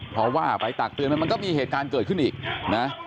เพราะว่าไปตักเตือนมันก็มีเหตุการณ์เกิดขึ้นอีกนะ